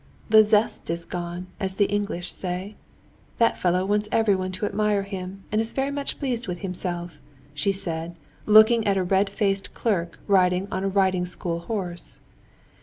The zest is gone, as the English say. That fellow wants everyone to admire him and is very much pleased with himself," she thought, looking at a red faced clerk, riding on a riding school horse.